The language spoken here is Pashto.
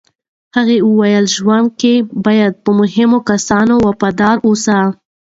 هغې وویل، ژوند کې باید په مهمو کسانو وفادار اوسې.